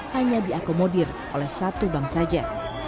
hanya diakomodir oleh satu bank saja